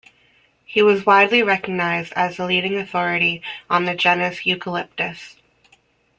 He was widely recognised as the leading authority on the genus "Eucalyptus".